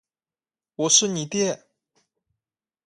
我是你爹！